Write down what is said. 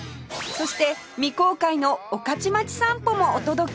そして未公開の御徒町散歩もお届け